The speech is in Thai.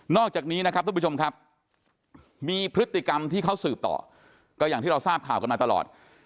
อกจากนี้นะครับทุกผู้ชมครับมีพฤติกรรมที่เขาสืบต่อก็อย่างที่เราทราบข่าวกันมาตลอด